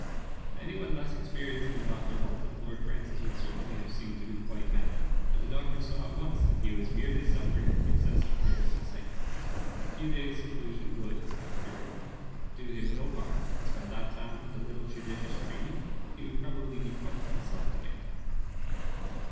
To anyone less experienced than Dr. Walton, Lord Francis would certainly have seemed to be quite mad, but the doctor saw at once that he was merely suffering from excessive nervous excitement. A few days* seclusion would, however, he thought, do him no harm, as by that time, with a little judicious treatment, he would probably be quite himself again.